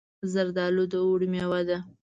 زردالو د اوړي مېوه ده.